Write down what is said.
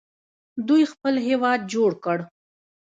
دوی خپل هیواد جوړ کړ.